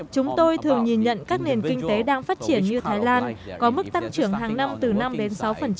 chúng tôi thường nhìn nhận các nền kinh tế đang phát triển như thái lan có mức tăng trưởng hàng năm từ năm đến sáu